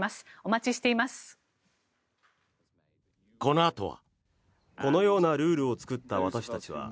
このあとは。